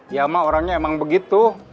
ya mah orangnya emang begitu